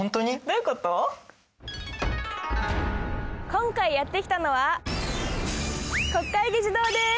今回やって来たのは国会議事堂です！